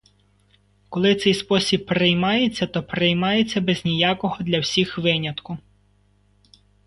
Коли цей спосіб приймається, то приймається без ніякого для всіх винятку.